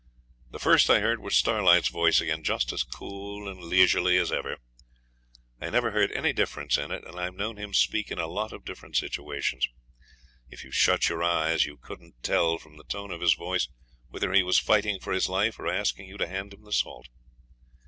The first I heard was Starlight's voice again, just as cool and leisurely as ever. I never heard any difference in it, and I've known him speak in a lot of different situations. If you shut your eyes you couldn't tell from the tone of his voice whether he was fighting for his life or asking you to hand him the salt.